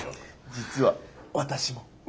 実は私も。